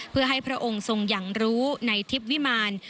เพื่อให้พระองค์ทรงอย่างรู้ในทิพย์วิมาร